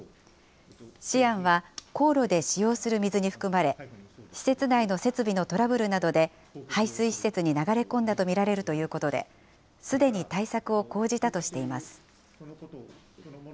シアンは高炉で使用する水に含まれ、施設内の設備のトラブルなどで、排水施設に流れ込んだと見られるということで、すでに対策を講じたとしています。